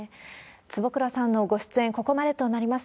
坪倉さんのご出演、ここまでとなります。